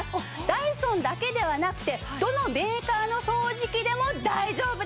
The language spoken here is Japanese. ダイソンだけではなくてどのメーカーの掃除機でも大丈夫です。